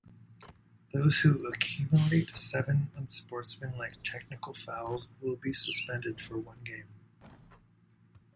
Those who accumulate seven unsportsmanlike technical fouls will be suspended for one game.